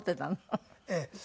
ええ。